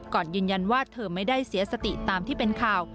ก่อนยืนยันว่าเธอไม่ได้เสียสติตามที่เป็นข่าว